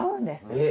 えっ！